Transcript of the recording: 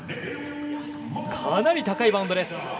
かなり高いバウンドです。